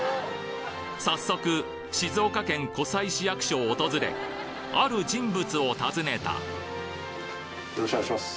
早速静岡県湖西市役所を訪れある人物を訪ねたよろしくお願いします。